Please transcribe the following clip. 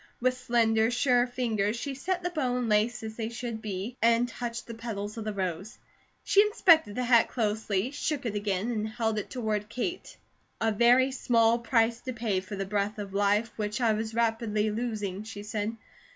With slender, sure fingers she set the bow and lace as they should be, and touched the petals of the rose. She inspected the hat closely, shook it again, and held it toward Kate. "A very small price to pay for the breath of life, which I was rapidly losing," she said.